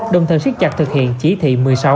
đồng thời siết chặt thực hiện chỉ thị một mươi sáu